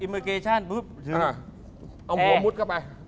เอาหัวมุดเข้าไป